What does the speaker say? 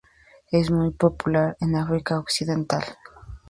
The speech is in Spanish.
Es muy popular en África occidental.